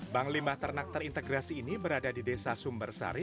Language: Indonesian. bank limba ternak terintegrasi ini berada di desa sumber sari